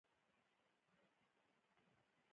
د نسترن ګل د کوم ویټامین لپاره وکاروم؟